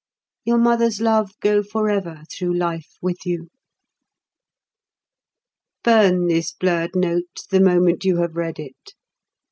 Your mother's love go forever through life with you! "Burn this blurred note the moment you have read it.